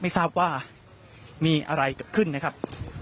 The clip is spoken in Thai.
ไม่ทราบว่ามีอะไรเกิดขึ้นนะครับ